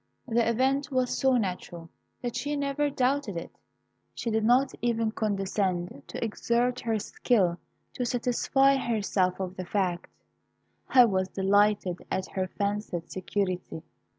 The event was so natural, that she never doubted it. She did not even condescend to exert her skill to satisfy herself of the fact. I was delighted at her fancied security.